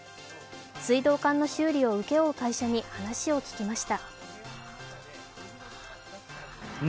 水道管の修理を請け負う会社に話を聞きました。